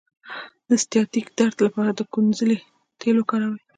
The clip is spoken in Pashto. د سیاتیک درد لپاره د کونځلې تېل وکاروئ